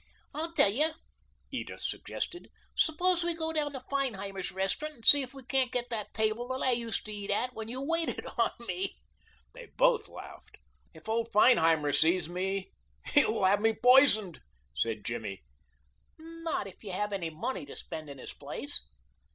"I'll tell you," Edith suggested. "Suppose we go to Feinheimer's restaurant and see if we can't get that table that I used to eat at when you waited on me?" They both laughed. "If old Feinheimer sees me he will have me poisoned," said Jimmy. "Not if you have any money to spend in his place."